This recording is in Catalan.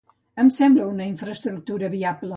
Em sembla una infraestructura viable.